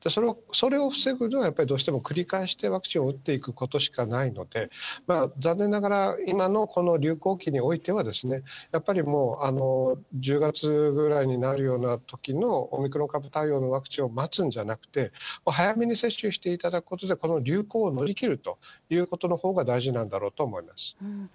それを防ぐのは、やっぱりどうしても繰り返してワクチンを打っていくことしかないので、残念ながら、今のこの流行期においては、やっぱり１０月ぐらいになるようなときのオミクロン株対応のワクチンを待つんじゃなくて、早めに接種していただくことで、この流行を乗り切るということのほうが大事なんだろうと思います。